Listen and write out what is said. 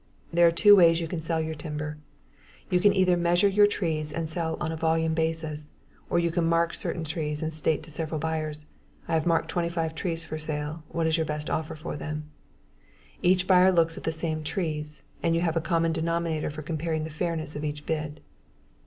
There are two ways you can sell your timber. You can either measure your trees and sell on a volume basis, or you can mark certain trees and state to several buyers, "I have marked 25 trees for sale. What is your best offer for them?" Each buyer looks at the same trees, and you have a common denominator for comparing the fairness of each bid.